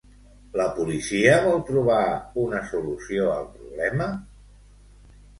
La policia vol trobar una solució al problema?